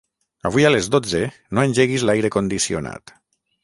Avui a les dotze no engeguis l'aire condicionat.